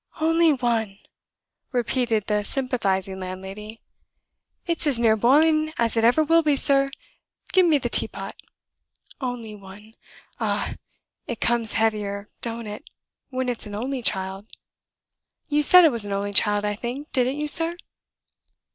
"Only one!" repeated the sympathizing landlady. "It's as near boiling as it ever will be, sir; give me the tea pot. Only one! Ah, it comes heavier (don't it?) when it's an only child? You said it was an only child, I think, didn't you, sir?"